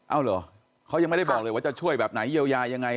เอาเหรอเขายังไม่ได้บอกเลยว่าจะช่วยแบบไหนเยียวยายังไง